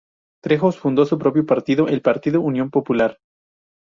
Trejos fundó su propio partido; el Partido Unión Popular.